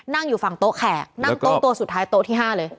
นั่งตรงตัวสุดท้ายโต๊ะที่๕เลย